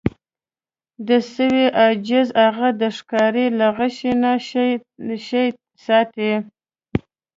د سویې عاجزي هغه د ښکاري له غشي نه شي ساتلی.